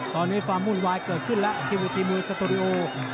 ตอนนี้ความวุ่นวายเกิดขึ้นแล้วที่เวทีมวยสตูดิโอ